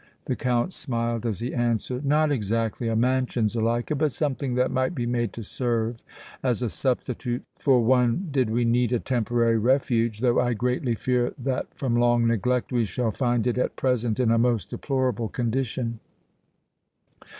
The Count smiled, as he answered: "Not exactly a mansion, Zuleika, but something that might be made to serve as a substitute for one did we need a temporary refuge, though I greatly fear that from long neglect we shall find it at present in a most deplorable condition."